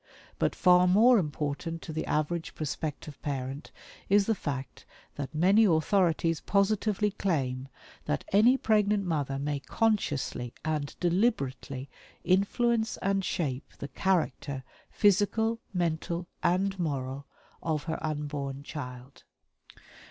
But far more important to the average prospective parent is the fact that many authorities positively claim that ANY PREGNANT MOTHER MAY CONSCIOUSLY AND DELIBERATELY INFLUENCE AND SHAPE THE CHARACTER, PHYSICAL, MENTAL, AND MORAL OF HER UNBORN CHILD.